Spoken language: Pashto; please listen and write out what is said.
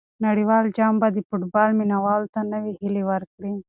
نړیوال جام به د فوټبال مینه والو ته نوې هیلې ورکړي.